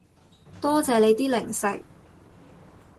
多謝你啲零食